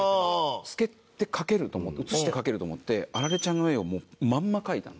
透けて描けると思って写して描けると思ってアラレちゃんの絵をもうまんま描いたんですよ。